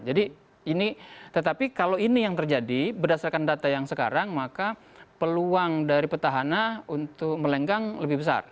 jadi ini tetapi kalau ini yang terjadi berdasarkan data yang sekarang maka peluang dari petahana untuk melenggang lebih besar